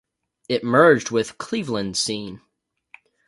It merged with "Cleveland Scene".